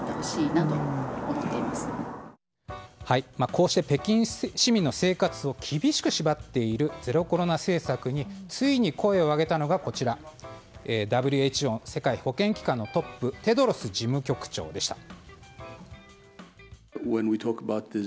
こうして北京市民の生活を厳しく縛っているゼロコロナ政策についに声を上げたのがＷＨＯ・世界保健機関のトップテドロス事務局長でした。